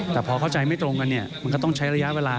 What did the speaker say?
แต่พอเข้าใจไม่ตรงกันเนี่ยมันก็ต้องใช้ระยะเวลา